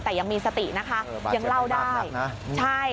แต่ยังมีสตินะคะเออบาดเจ็บบรรดนักนะยังเล่าได้ใช่